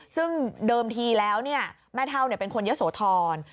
ซึ่งเดิมทีแล้วแม่เท่าเป็นคนเยอะโสธร